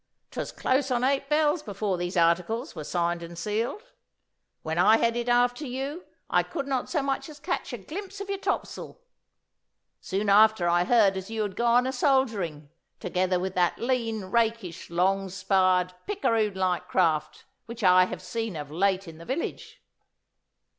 '"'Twas close on eight bells before these articles were signed and sealed. When I headed after you I could not so much as catch a glimpse of your topsail. Soon after I heard as you had gone a soldiering, together with that lean, rakish, long sparred, picaroon like craft which I have seen of late in the village.